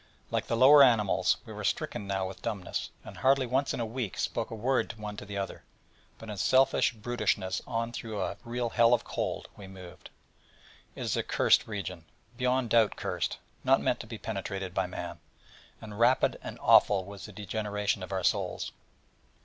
Like the lower animals, we were stricken now with dumbness, and hardly once in a week spoke a word one to the other, but in selfish brutishness on through a real hell of cold we moved. It is a cursed region beyond doubt cursed not meant to be penetrated by man: and rapid and awful was the degeneration of our souls.